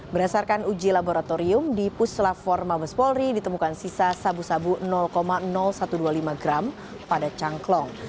berdasarkan uji laboratorium di puslaforma bespolri ditemukan sisa sabu sabu satu ratus dua puluh lima gram pada cangklong